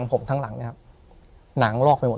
ถูกต้องไหมครับถูกต้องไหมครับ